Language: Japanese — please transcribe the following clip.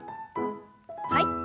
はい。